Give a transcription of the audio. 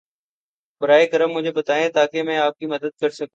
براہ کرم مجھے بتائیں تاکہ میں آپ کی مدد کر سکوں۔